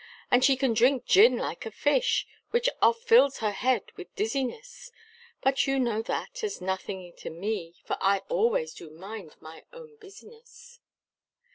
And she can drink gin like a fish, Which oft fills her head with dizziness, But you know that, is nothing to me, For I always do mind my own business.